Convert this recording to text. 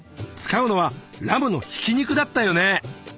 使うのはラムのひき肉だったよね。